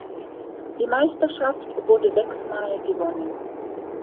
Die Meisterschaft wurde sechs Mal gewonnen.